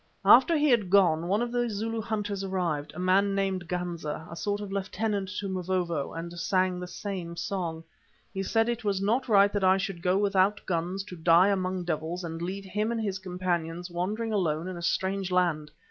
After he had gone one of the Zulu hunters arrived, a man named Ganza, a sort of lieutenant to Mavovo, and sang the same song. He said that it was not right that I should go without guns to die among devils and leave him and his companions wandering alone in a strange land.